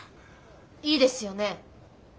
いいですよね？